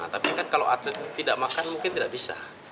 tapi kan kalau atlet tidak makan mungkin tidak bisa